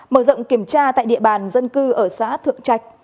mở rộng kiểm tra tại địa bàn dân cư ở xã thượng trạch